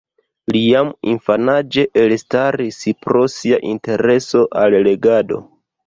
Li jam infanaĝe elstaris pro sia intereso al legado.